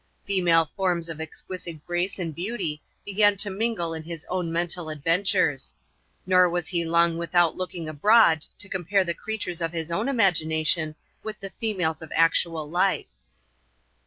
Female forms of exquisite grace and beauty began to mingle in his mental adventures; nor was he long without looking abroad to compare the creatures of his own imagination with the females of actual life.